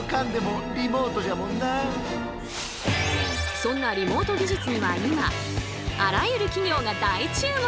そんなリモート技術には今あらゆる企業が大注目！